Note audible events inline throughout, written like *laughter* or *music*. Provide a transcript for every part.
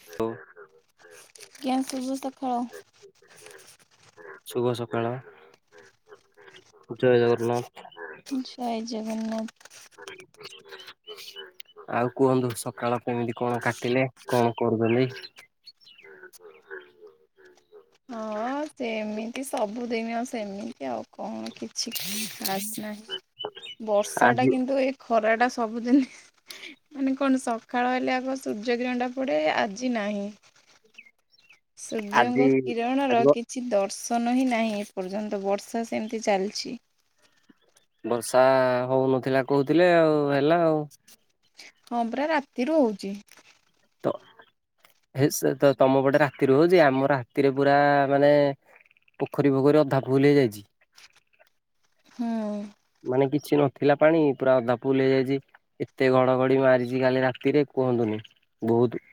*unintelligible* ଆଜ୍ଞା ଶୁଭ ସକାଳ। ଶୁଭ ସକାଳ ଜୟ ଜଗନ୍ନାଥ। ଜୟ ଜଗନ୍ନାଥ। ଆଉ କୁହନ୍ତୁ ସକାଳ କେମିତି କଣ କାଟିଲେ କଣ କରୁଦଲି। ହଁ ସେମିତି ସବୁଦିନ ସେମିତି ଆଉ କଣ କିଛି ଖାସ୍ ନାହିଁ ବର୍ଷା ଟା ଆଜି କିନ୍ତୁ ଏଇ ଖରା ଟା ସବୁଦିନ ମାନେ କଣ ସକାଳ ହେଲେ ଆଗ ସୂର୍ଯ୍ୟ କିରଣ ଟା ପଡେ ଆଜି ନାହିଁ। ଆଜି ସୂର୍ଯ୍ୟଙ୍କ କିରଣର ଆଜି କି କିଛି ଦର୍ଶନ ହିଁ ନାହିଁ ଏପର୍ଯ୍ୟନ୍ତ ବର୍ଷା ସେମିତି ଚାଲିଛି। ବର୍ଷା ହଉନଥିଲା କହୁଥିଲେ ଆଉ ହେଲା ଆଉ। ହଁ ପରା ରାତିରୁ ହଉଛି। ତ ସେ ତ ତମ ପଟେ ରାତିରୁ ହଉଛି ଆମ ରାତିରେ ପୁରା ମାନେ ପୋଖରୀ ଫୋଖରି ଅଧା ଫୁଲୁ ହେଇଯାଇଛି। ହୁଁ। ମାନେ କିଛି ନଥିଲା ପାଣି ପୁରା ଅଧା ଫୁଲ୍ ହେଇଯାଇଛି। ଏତେ ଘଡଘଡି ମାରିଛି କାଲି ରାତିରେ କୁହନ୍ତୁନି ବହୁତ।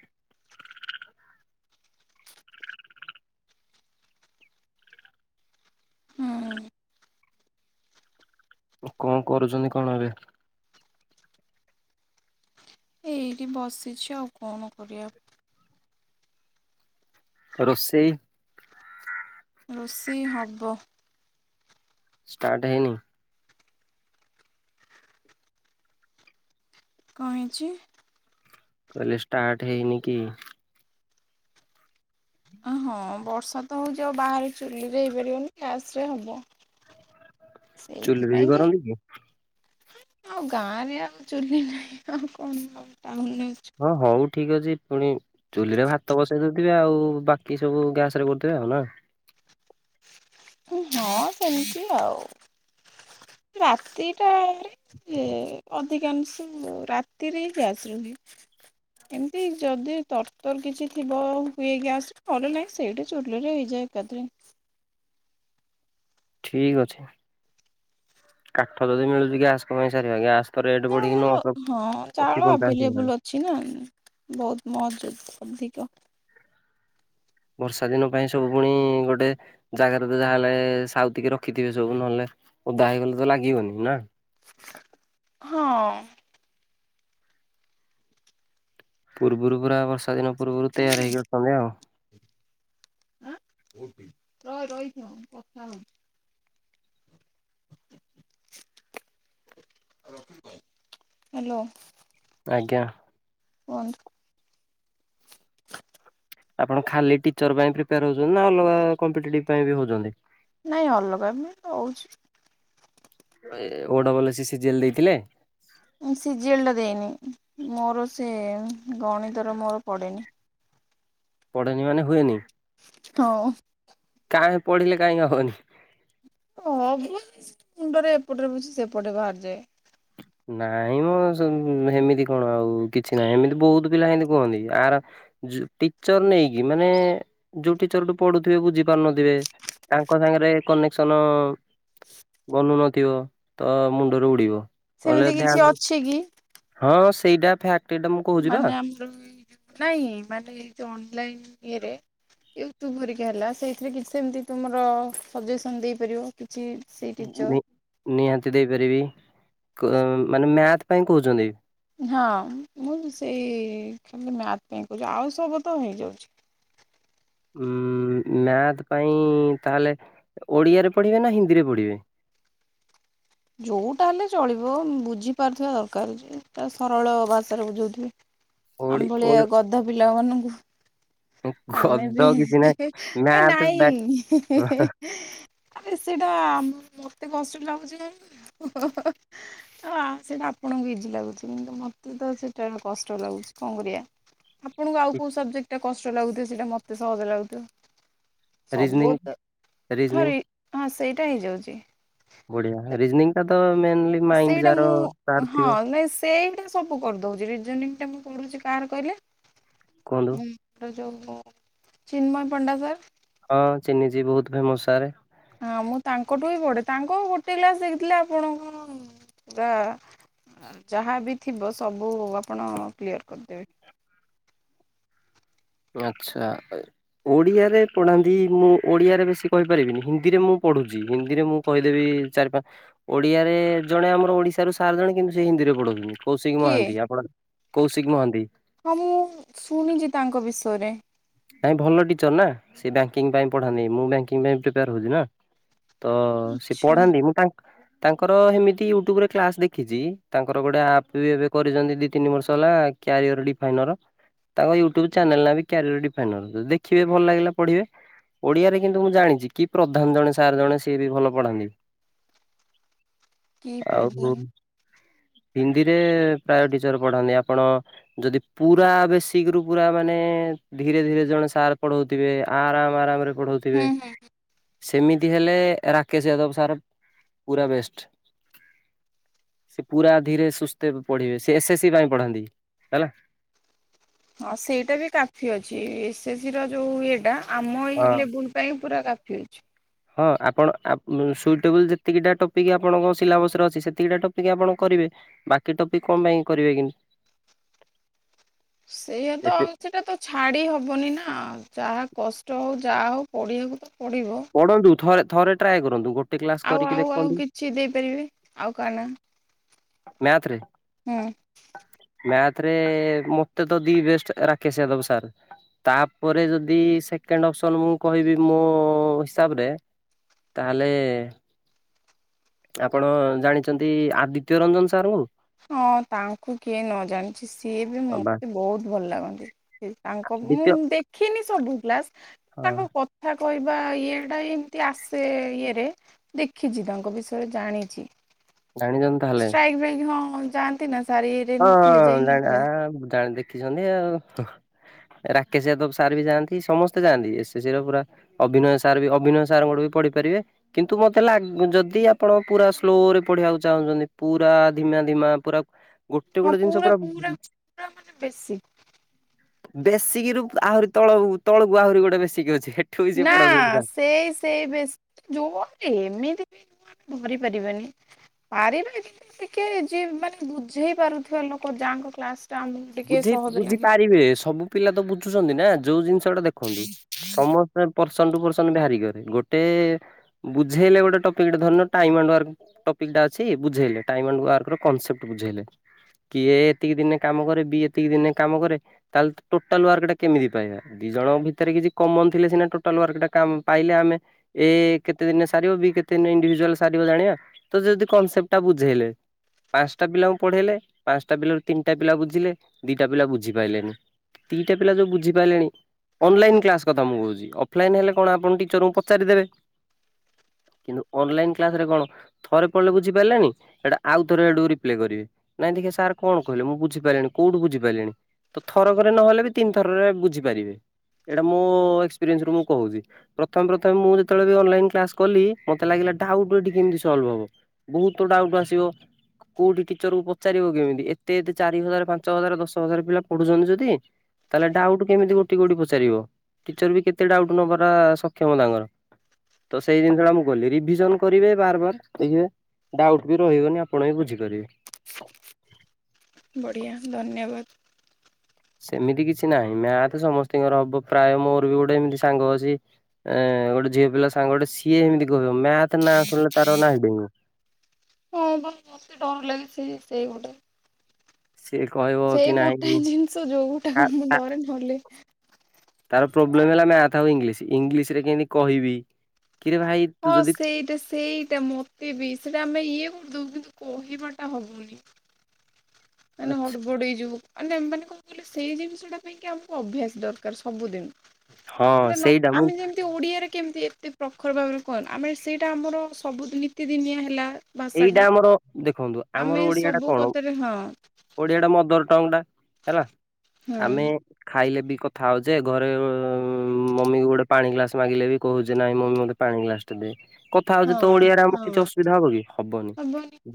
ହୁଁ କଣ କରୁଛନ୍ତି କଣ ଏବେ? ଏଇଠି ବସିଛି ଆଉ କଣ କରିବା। ରୋଷେଇ? ରୋଷେଇ ହବ। ଷ୍ଟାର୍ଟ ହେଇନି? କ ହେଇଚି? କହିଲି ଷ୍ଟାର୍ଟ ହେଇନି କି? ଅ ହଁ ବର୍ଷା ତ ହଉଛି ଆଉ ବାହାରେ ଚୁଲିରେ ହେଇପାରିବନି ଗ୍ୟାସ ରେ ହବ। ଚୁଲିରେ ବି ସେଇଥିପାଇଁ କି କରନ୍ତି ଆଉ ଗାଁ ରେ ଆଉ ଚୁଲି ନାହିଁ ଆଉ କଣ ଆ ଟାଉନ୍ ଚୁ ହଁ ହଉ ଠିକ ଅଛି ପୁଣି ଚୁଲିରେ ଭାତ ବସେଇ ଦେଇଥିବେ ଆଉ ବାକି ସବୁ ଗ୍ୟାସ ରେ କରିଦବେ ଆଉ ନା? ହଁ ସେମିତି ଆଉ ରାତିଟା ତା ପରେ ଏ ଅଧିକାଂଶ ରାତିରେ ହିଁ ଗ୍ୟାସ ହୁଏ। ଏମିତି ଯଦି ତରତର କିଛି ଥିବ ହୁଏ ଗ୍ୟାସ୍ ନହେଲେ ନାହିଁ ସେଇଠି। ଚୁଲିରେ ହେଇଯାଏ ଏକାଥରେ। ଠିକ୍ ଅଛି। କାଠ ଯଦି ମିଳୁଛି ଗ୍ୟାସ କଣ ପାଇଁ ସାରିବା ଗ୍ୟାସ ତ ରେଟ୍ ନା ବଢିକି ଆମର ନଅଶ୍ ଅସି ପଞ୍ଚାଅସି ହେଲାଣି ଛି ନା ବହୁତ ମଜ ଅଧିକ। ବର୍ଷା ଦିନ ପାଇଁ ସବୁ ପୁଣି ଗୋଟେ ଜାଗାରେ ତ ଯାହାହଲେ ସାଉତିକ ରଖିଥିବେ ସବୁ ନହେଲେ ଓଦା ହେଇଗଲେ ତ ଲାଗିବନି ନା? ହଁ। ପୂର୍ବରୁ ପୁରା ବର୍ଷା ଦିନ ପୂର୍ବରୁ ତୟାଆର ହେଇକି ଅଛନ୍ତି ଆଉ। *unintelligible* ର ରହିଥା କଥା ହଉ ହ୍ୟାଲୋ। ଆଜ୍ଞା। କୁହନ୍ତୁ? ଆପଣ ଖାଲି ଟିଚର ପାଇଁ ପ୍ରିପେୟାର ହଉଛନ୍ତି ନା ଅଲଗା କପିଟେଟିଭ ପାଇଁ ବି ହଉଛନ୍ତି? ନାଇଁ ଅଲଗା ରହୁଛି। ଓ double A C C G L ଦେଇଥିଲେ? ସିଜିଏଲଟା ଦେଇନି ମୋର ସେ ଗଣିତର ମୋର ପଡ଼େନି। ପଢ଼େନି ମାନେ ହୁଏନି। ହଁ। କାଇଁ ପଢିଲେ କାହିଁକି ହବନି। ହବନି ମୁଣ୍ଡରେ ଏପଟରେ ପସିକି ସେପଟେ ବାହାରିଯାଏ। ନାଇଁ ମୋ ସେମିତି କଣ ଆଉ କିଛି ନାହିଁ ଏମିତି ବହୁତ ପିଲା ଏମତି କୁହନ୍ତି ଆର ଟିଚର୍ ନେଇକି ମାନେ ଯଉ ଟିଚର୍ ଠୁ ପଢୁଥିବେ ବୁଝି ପାରୁନଥିବେ ତାଙ୍କ ସାଙ୍ଗେରେ କନେକ୍ସନ ବନୁ ନଥିବ ତ ମୁଣ୍ଡରୁ ଉଡିବ। ନହେଲେ ସେମିତି କିଛି ଧ୍ୟାନ ଅଛି କି? ହଁ ସେଇଟା ଫ୍ୟାକ୍ଟ୍। ମାନେ ଆମର ଏ ଯଉ ନାଇଁ ମାନେ ଏ ଯଉ ଅନଲାଇନ୍ ଇଏରେ ୟୁଟ୍ୟୁବ୍ ହେରିକା ହେଲା ସେଇଥିରେ କିଛି ସେମିତି ତୁମର ସଜେସନ୍ ଦେଇପାରିବ। କିଛି ସେ ମୁ-ନିହାତି ଦେଇପାରିବି କ- ମାନେ ମ୍ୟାଥ୍ ପାଇଁ କହୁଚନ୍ତି କି? ହଁ ମୁଁ ବି ସେଇ କିନ୍ତୁ ମ୍ୟାଥ୍ ପାଇଁ କହୁଚି ଆଉ ସବୁ ତ ହେଇଯାଉଚି। ଉଁ -ମ୍ୟାଥ୍ ପାଇଁ ତାହେଲେ ଓଡିଆରେ ପଢିବେ ନା ହିନ୍ଦୀରେ ପଢିବେ? ଯଉଟା ହେଲେ ଚଳିବ ବୁଝିପାରୁଥିବା ଦରକାରେ ଯଉଟା ସରଳ ଭାଷାରେ ବୁଝଉଥିବ। ଓଡି ଆମ୍ ଓଡ ଭଳିଆ ଗଧ ପିଲା ମାନଙ୍କୁ ଆମେ ବି ଗଧ କିଛି ନାହିଁ ଏ ମ୍ୟାଥ ନାଇଁ ହିଁ ବ୍ୟାକ -ହିଁ -ହିଁ। ଆରେ ସେଇଟା ଆମ- ମତେ କଷ୍ଟ ଲାଗୁଚି *unintelligible* ତ ଆ-ସେଇଟା ଆପଣଙ୍କୁ ଇଜି ଲାଗୁଚି କିନ୍ତୁ ମତେ ତ ସେଇଟା କଷ୍ଟ ଲାଗୁଚି କଣ୍ କରିବା। ଆପଣଙ୍କୁ ଆଉ କଉ ସବଜେକ୍ଟ୍ ଟା କଷ୍ଟ ଲାଗୁଥିବ ସେଇଟା ମତେ ସହଜ ଲାଗୁଥିବ। ରିଜନିଂ ସବୁତ ରିଜନିଂ ହରି- ହଁ ସେଇଟା ହେଇଯାଉଚି। ବଢିଆ ରିଜନିଂଙ୍ଗ ଟା ତ ମେନ୍ଲି ସେଇଟା ମୁଁ- ହଁ ନାଇଁ ସେ ନା ସବୁ କରିଦଉଚି ରିଜିନିଂଙ୍ଗ ଟା ମୁଁ ପଢୁଚି କାର କହିଲେ କୁହନ୍ତୁ ଏ ଯଉ ଚିନ୍ମୟ ପଣ୍ଡା ସାର୍ ହଁ ଚିହ୍ନିଚି ବହୁତ୍ ଫେମସ୍ ସାରେ। ହଁ ମୁଁ ତାଙ୍କଠୁ ହିଁ ପଢ଼େ ତାଙ୍କୁ ଗୋଟେ କ୍ଲାସ୍ ଦେଖିଦେଲେ ଆପଣ କଣ ପୁରା ଆଉ ଯାହା ବି ଥିବ ସବୁ ଆପଣ କ୍ଲିୟର୍ କରିଦେବେ। ଆଚ୍ଛା ଏ ଓଡ଼ିଆରେ ପଢାନ୍ତି ମୁଁ ଓଡ଼ିଆରେ ବେଶୀ କହିପାରିବିନି ହିନ୍ଦୀରେ ମୁଁ ପଢୁଚି ହିନ୍ଦୀରେ ମୁଁ କହିଦେବି ଚାରି ପା- ଓଡିଆରେ ଜଣେ ଆମର ଓଡିଶାରୁ ସାର୍ ଜଣେ କିନ୍ତୁ ସେ ହିନ୍ଦୀରେ ପଢଉଚନ୍ତି। କୌଶିକ୍ କିଏ ମହାନ୍ତି ଆପଣ କୌଶିକ୍ ମହାନ୍ତି। ହଁ ମୁଁ ଶୁଣିଚି ତାଙ୍କ ବିଷୟରେ। ତାଙ୍କେ ଭଲ ଟିଚର୍ ନା ସେ ବ୍ୟାଙ୍କିଙ୍ଗ୍ ପାଇଁ ପଢାନ୍ତି ମୁଁ ବ୍ୟାଙ୍କିଙ୍ଗ୍ ପାଇଁ ପ୍ରିପେୟାର୍ ହଉଚି ନା। ତ ସେ ଆଚ୍ଛା ପଢାନ୍ତି ମୁଁ ତାଙ୍କ୍ ତାଙ୍କର ହେମିତି ୟୁଟ୍ୟୁବ ରେ କ୍ଲାସ୍ ଦେଖିଚି ତାଙ୍କର ଗୋଟେ ଆପ୍ ବି ଏବେ କରିଚନ୍ତି ଦି ତିନି ବର୍ଷ ହେଲା କ୍ୟାରିୟର ଡିଫାଇନର ତାଙ୍କ ୟୁଟ୍ୟୁବ୍ ଚ୍ୟାନେଲ୍ ନାଁ ବି କ୍ୟାରିୟର ଡିପ୍ ଫାଇନାଲ୍ ଯଦି ଦେଖିବେ ଭଲ ଲାଗିଲା ପଢିବେ। ଓଡିଆରେ କିନ୍ତୁ ମୁଁ ଜାଣିଚି କି ପ୍ରଧାନ ଜଣେ ସାର୍ ଜଣେ ସେ ବି ଭଲ ପଢ଼ାନ୍ତି। କି ଆଉ ପ୍ରଧାନ ହିନ୍ଦ୍- ହିନ୍ଦୀରେ ପ୍ରାୟ ଟିଚର୍ ପଢାନ୍ତି ଆପଣ ଯଦି ପୁରା ବେଶି ଗ୍ରୁପ୍ ରା ଆମେ ମାନେ ଧୀରେ ଧୀରେ ଜଣେ ସାର୍ ପଢଉଥିବେ ଆରାମ୍ ଆରାମ୍ ରେ ପଢଉଥିବେ ହୁଁ ହୁଁ ସେମିତି ହେଲେ ରାକେଶ ୟଦବ ସାର୍ ପୁରା ବେଷ୍ଟ। ସେ ପୁରା ଧୀରେ ସୁସ୍ଥେ ପଢ଼ିବେ ସେ ଏସ୍ ଏସ୍ ସି ପାଇଁ ପଢ଼ାନ୍ତି ହେଲା। ହଁ ସେଇଟା ବି କାଫି ଅଛି ଏସ୍ ଏସ ସି ର ଯୋଉ ଇଏଟା ଆମ ହଁ। ଏଇ ଲେବୁଲ ପାଇଁ ପୁରା କାଫି। ଅଛି ହଁ ଆପଣ ଆପ ସୁଇଟେବୁଲ୍ ଯେତିକିଟା ଟପିକ୍ ଆପଣଙ୍କ ସିଲାବସରେ ଅଛି ସେତିକିଟା ଟପିକ୍ ଆପଣ କରିବେ। ବାକି ଟପିକ କଣ ପାଇଁ କରିବେ କି। ସେଇଆ ତ ଏତେ ସେଟା ତ ଛାଡ଼ି ହବନି ନା ଯାହା କଷ୍ଟ ହୋଉ ଯାହା ହୋଉ ପଢ଼ିବାକୁ ତ ପଡ଼ିବ। ପଢନ୍ତୁ ଥରେ ଥରେ ଟ୍ରାଏ କରନ୍ତୁ ଗୋ ଆଉ ଆଉ ଆଉ କିଛି ଦେଇପାରିବେ ଆଉ କାହା ନା? ମ୍ୟାଥ ରେ। ହୁଁ। ମ୍ୟାଥରେ ମତେ ତ the best Rakesh Yadav sir. ତାପରେ ଯଦି ସେକେଣ୍ଡ ଅପସନ ମୁଁ କହିବି ମୋ ହିସାବରେ ତାହେଲେ ଆପଣ ଜାଣିଛନ୍ତି ଆଦି ତ୍ୟ ରଞ୍ଜନ ସାରଙ୍କୁ? ହଁ ତାଙ୍କୁ କିଏ ନ ଜାଣିଛି ସିଏ ବି ହଁ ବା ମତେ ବହୁତ ଭଲ ଲାଗନ୍ତି। ତାଙ୍କ ମୁଁ ଆଦିତ୍ୟ ଦେଖିନି ସବୁ କ୍ଲାସ୍, ହଁ ତାଙ୍କ କ କଥା କହିବା ଇଏ ଟା ଏମିତି ଆସେ ଇଏରେ ଦେଖିଚି ତାଙ୍କ ବିଷୟରେ ଜାଣିଚି। ଜାଣିଚନ୍ତି ତାହେଲେ। ସେଥି ପାଇଁ କି ହଁ ଯାଆନ୍ତି ନା ସାର ଇଏରେ ନଥିଲେ ଯାଇ ନଥିଲେ। ଯାନ୍ତି। ଦେଖିଛନ୍ତି ଆଉ, ରାକେଶ ୟାଦବ ସାର୍ ବି ଯାଆନ୍ତି ସମସ୍ତେ ଯାଆନ୍ତି, ଏସ୍ ଏ ସି ର ପୁରା ଅଭିନୟ ସାର୍ ବି ଅଭିନୟ ସାର୍ ଙ୍କଠୁ ବି ପଢିପାରିବେ। କିନ୍ତୁ ମତେ ଲାଗ ଯଦି ଆପଣ ପୁରା ସ୍ଲୋ ରେ ପଢିବାକୁ ଚାହୁଁଛନ୍ତି ପୁରା ଧିମା ଧିମା ପୁରା ଗୋଟେ ହଁ ଗୋଟେ ଜିନିଷ ପୁରା ପୁରା ମାନେ ବେଶୀ ବେଶିକରୁ ଆହୁରି ତଳ ତଳକୁ ଆହୁରି ଗୋଟେ ବେଶିକ ଅଛି। ବି ସିଏ ନା ପଢଉଛନ୍ତି ସାର୍। ସେ ସେ ବେଶୀ ଜୋ ଏମିତି ଧରି ପାରିବେନି। ପାରିବେ ଟିକେ ଯେ ମାନେ ବୁଝେଇ ପାରୁଥିବା ଲୋକ ଯାଙ୍କ କ୍ଲାସ ଟା ଆମ ବୁଝି ବୁଝି ପାରିବେ ସବୁ ପିଲା ତ ବୁଝୁଛନ୍ତି ନା ଯୋଉ ଜିନିଷ ସେ ଗୋଟେ ଦେଖନ୍ତୁ ସମସ୍ତେ ପରର୍ସନ ଟୁ ପରସନ ବି ଭାୟାରି କରେ, ଗୋଟେ ବୁଝେଇଲେ ଗୋଟେ ଟପିକଟେ ଧରିନିୟ ଟାଇମ ଆଣ୍ଡ ୱାର୍କ ଟପିକ ଟା ଅଛି ବୁଝେଇଲେ, ଟାଇମଣ୍ଡ ୱାର୍କର କନସେପ୍ଟ ବୁଝେଇଲେ। କିଏ ଏତିକି ଦିନେ କାମ କରେ ବି ଏତିକି ଦିନେ କାମ କରେ ତାହେଲେ ତ ଟୋଟାଲ ୱାର୍କ ଟା କେମିତି ପାଇବା? ଦି ଜଣଙ୍କ ଭିତରେ କିଛି କମନ ଥିଲେ ସିନା ଟୋଟାଲ ୱାର୍କଟା ପାଇଲେ ଆମେ ଏ କେତେ ଦିନ ସାରିବ ବି କେତେ ଦିନ ଇଣ୍ଡିଭିଜୁଆଲ ସାରିବ ଜାଣିବା। ତ ଯଦି କନସେପ୍ଟ ଟା ବୁଝେଇଲେ। ପାଞ୍ଚଟା ପିଲାଙ୍କୁ ପଢେଇଲେ ପାଞ୍ଚଟା ପିଲାରୁ ତିନିଟା ପିଲା ବୁଝିଲେ ଦିଟା ପିଲା ବୁଝିପାଇଲେନି। ଦିଟା ପିଲା ଯୋଉ ବୁଝି ପାଇଲେଣି ଅନଲାଇନ୍ କ୍ଲାସ କଥା ମୁଁ କହୁଛି, ଅଫଲାଇନ ହେଲେ କଣ ଆପଣ ଟିଚରଙ୍କୁ ପଚାରିଦେବେ। କିନ୍ତୁ ଅନଲାଇନ କ୍ଲାସ ରେ କଣ, ଥରେ ପଡଲେ ବୁଝି ପାଲେନି ହେଟା ଆଉ ଥରେ ହେଠୁ ରିପ୍ଲେ କରିବେ। ନାଇଁ ଦେଖିଆ ସାର୍ କଣ କହିଲେ ମୁ ବୁଝିପାଇଲିଣି। କୋଉଠୁ ବୁଝିପାରିଲିଣି, ତ ଥରକରେ ନହେଲେ ବି ତିନି ଥରରେ ବୁଝିପାରିବେ। ଏଇଟା ମୋ ଏକ୍ସପିରିଏନ୍ସ ରୁ ମୁଁ କହୁଛି। ପ୍ରଥମେ ପ୍ରଥମେ ମୁଁ ଯେତେବେଳେ ବି ଅନଲାଇନ କ୍ଲାସ କଲି, ମତେ ଲାଗିଲା ଡାଉଟ୍ ଏଠି କେମିତି ସଲ୍ଭ ହବ? ବହୁତ ତ ଡାଉଟ୍ ଆସିବ, କୋଉଠି ଟିଚର କୁ ପଚାରିବ କେମିତି? ଏତେ ଏତେ ଚାରି ହଜାର, ପାଞ୍ଚ ହଜାର, ଦଶ ହଜାର ପିଲା ପଢୁଛନ୍ତି ଯଦି, ତାହେଲେ ଡାଉଟ କେମିତି ଗୋଟଏ ଗୋଟିଏ କରି ପଚାରିବ? ଟିଚର ବି କେତେ ଡାଉଟ୍ ନବରା ସକ୍ଷମ ତାଙ୍କର। ତ ସେଇ ଜିନିଷ ମୁଁ କଲି। ରିଭିଜନ କରିବେ ବାର ବାର, ଆଜ୍ଞା? ଡାଉଟ୍ ବି ରହିବନି ଆପଣ ବି ବୁଝି ପାରିବେ। ବଢ଼ିଆ ଧନ୍ୟବାଦ। ସେମିତି କିଛି ନାହିଁ। ମ୍ୟାଥ୍ ସମସ୍ତଙ୍କର ହବ ପ୍ରାୟ, ମୋର ବି ଗୋଟେ ଏମିତି ସାଙ୍ଗ ଅଛି ଏ ଗୋଟେ ଝିଅ ପିଲା ସାଙ୍ଗଟେ। ସିଏ ଏମିତି କହିବ ମ୍ୟାଥ୍ ନାଁ ଶୁଣିଲେ ତାର ନାହି ଡେଇଁବ। ହଁ ପା ମୋତେ ଡର ଲାଗେ ସେ ସେଇ ଗୋଟେ। ସେ କହିବ ସେଇ କି ନାହିଁ ଗୋଟାଏ ଜିନିଷ ଯୋଉ ଗୋଟାକୁ ମୁଁ ଡରେ ନହେଲେ ତାର ପ୍ରୋବ୍ଲେମ ହେଲା ମ୍ୟାଥ ଆଉ ଇଂଲିଶ। ଇଂଲିଶ ରେ କେମତି କହିବି? କିରେ ଭାଇ ତୁ ହଁ ଯଦି ସେଇଟା ସେଇଟା ମ ତେ ବି। ସେଟା ଆମେ ଇଏ କରି ଦବୁ କିନ୍ତୁ କହିବାଟା ହବନି। ମାନେ ଆଛା ହଡ଼ବଡ଼େଇ ଯିବୁ। ମାନେ ମାନେ କଣ କହିଲେ ସେଇ ଜିନିଷ ଟା ପାଇଁ କି ଆମକୁ ଅଭ୍ୟାସ ଦରକାର ସବୁଦିନ। ହଁ ସେଇଟା ନ, ସେଇଟା ମୁଁ ଆମେ ଯେମି ତି ଓଡ଼ିଆରେ କେମିତି ଏତେ ପ୍ରଖର ଭାବରେ କହିଲୁ, ଆମେ ସେଇଟା ଆମର ସବୁଦିନି ନିତି ଦିନିଆ ହେଲା। ଏଇଟା ଭାଷାଟା। ଆମର ଦେଖନ୍ତୁ, ଆମେ ଆମର ଓଡିଆ ଟା ସବୁ କଣ? କଥାରେ ହଁ ଓଡ଼ିଆ ଟା ମଦର ଟଙ୍ଗ ଟା ହେଲା। ହୁଁ ଆମେ ଖାଇଲେ ବି କଥା ହଉଛେ, ଘରେ ମମି କୁ ଗୋଟେ ପାଣି ଗ୍ଲାସ ମାଗିଲେ ବି କହୁଛେ ନାଇଁ ମମି ମତେ ପାଣି ଗ୍ଲାସଟେ ଦେ। କଥା ହଉଛେ ତ ହଁ ଓଡିଆରେ ଆମକୁ କିଛି ହଁ ଅସୁବିଧା ହବ କି? ହବନି।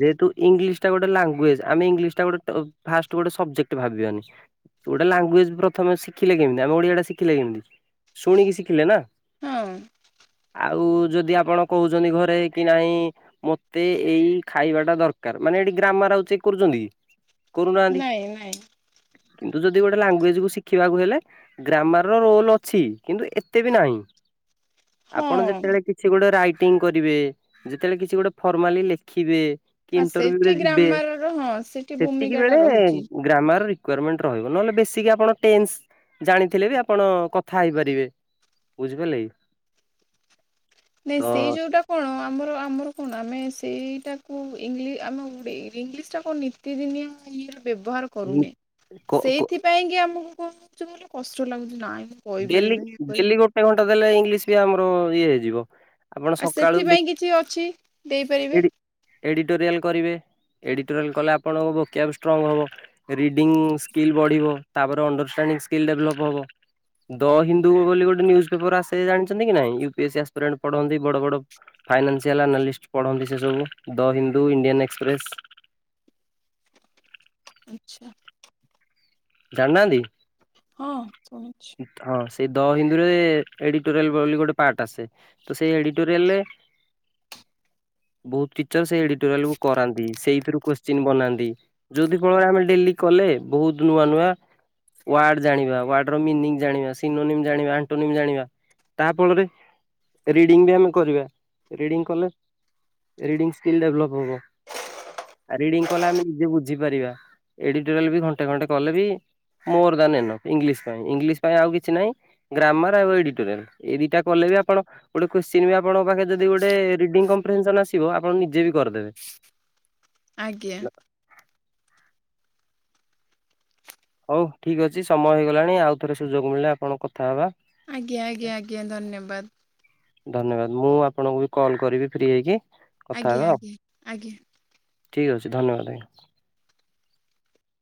ଯେହେତୁ ଇଂଲିଶ ଟା ଗୋଟେ ଲାଙ୍ଗୁଏଜ। ଆମେ ଇଂଲିଶଟା ଗୋଟେ ଫାଷ୍ଟ ଗୋଟେ ସବଜେକ୍ଟ ଭାବିବାନି। ଗୋଟେ ଲାଙ୍ଗୁଏଜ। ପ୍ରଥମେ ଶିଖିଲେ କେମିତି? ଆମେ ଓଡିଆଟା ଶିଖିଲେ କେମିତି? ଶୁଣିକି ଶିଖିଲେ ନା। ହଁ। ଆଉ ଯଦି ଆପଣ କହୁଛନ୍ତି ଘରେ କି ନାଇଁ ମ ମତେ ଏଇ ଖାଇବାଟା ଦରକାର, ମାନେ ଏଠି ଗ୍ରାମାର ଆଉ ଚେକ କରୁଛନ୍ତି କି? କରୁନାହାନ୍ତି। ନାଇଁ ନାଇଁ କିନ୍ତୁ ଯଦି ଗୋଟେ ଲାଙ୍ଗୁଏଜ କୁ ଶିଖିବାକୁ ହେଲେ ଗ୍ରାମର ର ରୋଲ ଅଛି। କିନ୍ତୁ ଏତେ ବି ନାହିଁ। *inaudible* ଆପଣ ଯେତେବେଳେ କିଛି ଗୋଟେ ରାଇଟିଂ କରିବେ, ଯେତେବେଳେ କିଛି ଗୋଟେ ଫର୍ମାଲି ଲେଖିବେ କି ଆ ସେଠି ଇଣ୍ଟରଭ୍ୟୁରେ ଯିବେ, ଗ୍ରାମାରର ହଁ ସେଠି ସେତିକି ଭୂମିକା ଟା ବେଳେ ରହୁଛି। ଗ୍ରାମାର ରିକ୍ୱୟାରମେଣ୍ଟ ରହିବ। ନହେଲେ ବେସିକ୍ ଆପଣ ଟେନ୍ସ ଜାଣିଥିଲେ ବି ଆପଣ କଥା ହେଇ ପାରିବେ। ବୁଝିପାରିଲେ କି? ନାଇଁ ତ ସେଇ ଯୋଉଟା କଣ ଆମର ଆମର କଣ ଆମେ ସେଇଟାକୁ ଇଂଲି ଆମେ ଗୋଟେ ଇଂଲିଶ ଟାକୁ *unintelligible* ନିତିଦିନିଆ ଇଏ ବ୍ୟବହାର କରୁନେ। କ କ ସେଇଥିପାଇଁ କି ଆମକୁ କଣ ହଉଛି କହିଲ କଷ୍ଟ ଲାଗୁଛି। ନାଇଁ ଡେଲି କହିପାରିବିନି ଇଏ କରି ଡେଲି ଗୋଟେ ଘଣ୍ଟା ଦେଲେ ଇଂଲିଶ ବି ଆମର ଇଏ ହେଇଯିବ। ଆପଣ ଆଉ ସକାଳୁ ସେଥିପାଇଁ କିଛି ଅଛି ଦେଇ ଦେଖି ପାରିବେ? ଏଡିଟୋରିଆଲ କରିବେ ଏଡିଟୋରିଆଲ କଲେ ଆପଣଙ୍କ ଭୋକିଆବ୍ ଷ୍ଟ୍ରଙ୍ଗ ହବ। ରିଡ଼ିଙ୍ଗ ସ୍କିଲ୍ ବଢ଼ିବ। ତାପରେ ଅଣ୍ଡରଷ୍ଟାଣ୍ଡିଙ୍ଗ ସ୍କିଲ୍ ଡେଭଲପ୍ ହେବ। ଦ ହିନ୍ଦୁ ବୋଲି ଗୋଟେ ନିଉଜ୍ ପେପର ଆସେ ଜାଣିଛନ୍ତି କି ନାଇଁ? U- P- S - C aspirant ପଢ଼ନ୍ତି ବଡ଼ବଡ଼ ଫାଇନାନ୍ସିଆଲ୍ ଆନାଲିଷ୍ଟ ପଢ଼ନ୍ତି ସେ ସବୁ ଦ ହିନ୍ଦୁ ଇଣ୍ଡିଆନ୍ ଏକ୍ସପ୍ରେସ ଆଚ୍ଛା। ଜାଣିନାହାନ୍ତି। ହଁ ଶୁଣିଛି। ହଁ ସେଇ ଦ ହିନ୍ଦୁରେ ଏଡିଟୋରିଆଲ ବୋଲି ଗୋଟେ ପାର୍ଟ ଆସେ ତ ସେଇ ଏଡିଟୋରିଆଲରେ ବହୁତ କିି ସେ ଏଡୀଆଟୋରିଆଲରୁ କରନ୍ତି ସେଇଥିରେ କୋ କୋସଚିନ ବନାନ୍ତି ଯୋଉଦି ଫଳରେ ଆମେ ଡେଲି କଲେ ବହୁତ ନୂଆ ନୂଆ ୱାର୍ଡ ଜାଣିବା ୱାର୍ଡ ମିନିଙ୍ଗ ଜାଣିବା, ସିନୋନି ଜାଣିବା ଆଣ୍ଟୋନିମ୍ ଜାଣିବା, ତା ଫଳରେ ରିଡିଙ୍ଗ ବି ଆମେ କରିବା ରିଡିଙ୍ଗ କଲେ ରଡିଙ୍ଗ ସ୍କିଲ ଡେଭଲପ ହବ ଆ ରଡିଙ୍ଗ କଲେ ଆମେ ନିଜେ ବୁଝିପାରିବା। ଏଡିଟୋରିଆଲ ବି ଘଣ୍ଟେ ଘଣ୍ଟେ କଲେ ବି ମୋର ଦେନ ଏନଫ୍ ଇଂଲିଶ ପାଇଁ ଇଂଲିଶ ପାଇଁ ଆଉ କିଛି ନାହିଁ। ଗ୍ରାମର ଆଉ ଏଡିଟୋରିଆଲ ଏଇ ଦିଟା କଲେ ବି ଆପଣ ଗୋଟେ କୁଶ୍ଚୀନ ବି ଆପଙ୍କ ପାଖ ଯଦି ଗୋଟେ ରଡିଙ୍ଗ କମ୍ଫରେସସନ ଆସିବ ଆପଣ ନିଜେ ବି କରିଦେବେ। ଆଜ୍ଞା। ହଉ ଠିକ ଅଛି ସମୟ ହେଇଗଲାଣି ଆଉ ଥରେ ସୁଯୋଗ ମିଳିଲେ ଆପଣଙ୍କ କଥା ହେବା। ଆଜ୍ଞା ଆଜ୍ଞା ଆଜ୍ଞା ଧନ୍ୟବାଦ। ଧନ୍ୟବାଦ ମୁଁ ଆପଣଙ୍କୁ ବି କଲ୍ କରିବି ଫ୍ରି ହେଇକି। କଥା ଆଜ୍ଞା ହେବା ଆଉ ଆଜ୍ଞା ଆଜ୍ଞା। ଠିକ ଅଛି ଧନ୍ୟବାଦ ଆଜ୍ଞା।